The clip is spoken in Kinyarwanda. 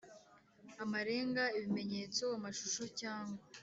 amarenga ibimenyetso amashusho cyangwa